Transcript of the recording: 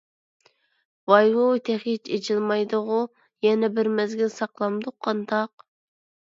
ۋاي-ۋۇي تېخىچە ئېچىلمايدىغۇ؟ يەنە بىر مەزگىل ساقلامدۇق قانداق؟